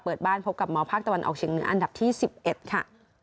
เปิดบ้านพบกับมภตะวันออกภเนืองอันดับที่สิบเอ็ดค่ะ